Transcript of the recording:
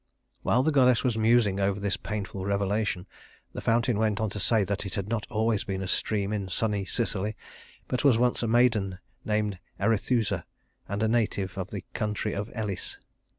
While the goddess was musing over this painful revelation, the fountain went on to say that it had not always been a stream in sunny Sicily, but was once a maiden named Arethusa and a native of the country of Elis.